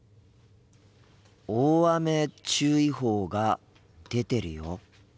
大雨注意報が出てるよ。